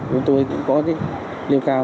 với tôi cũng có liêu cao cái vấn đề là cảnh báo